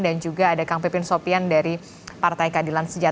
dan juga ada kang pipin sopian dari pps